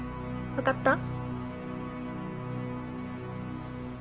分かった？